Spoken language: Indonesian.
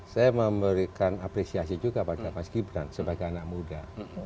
saya memberikan apresiasi juga pada mas gibran sebagai anak muda